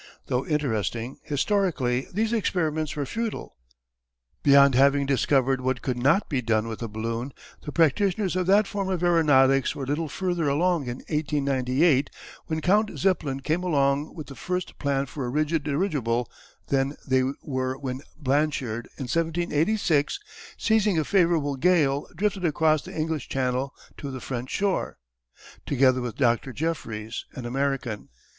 Though interesting historically these experiments were futile. Beyond having discovered what could not be done with a balloon the practitioners of that form of aeronautics were little further along in 1898 when Count Zeppelin came along with the first plan for a rigid dirigible than they were when Blanchard in 1786, seizing a favourable gale drifted across the English Channel to the French shore, together with Dr. Jefferies, an American.